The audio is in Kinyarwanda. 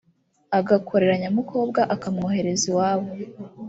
agakorera nyamukobwa akamwohereza iwabo